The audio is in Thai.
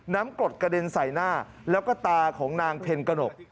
กรดกระเด็นใส่หน้าแล้วก็ตาของนางเพ็ญกระหนก